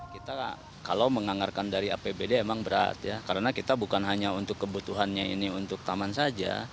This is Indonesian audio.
kita kalau menganggarkan dari apbd emang berat ya karena kita bukan hanya untuk kebutuhannya ini untuk taman saja